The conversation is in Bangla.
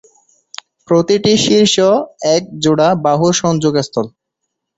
প্রতিটি শীর্ষ এক জোড়া বাহুর সংযোগ স্থল।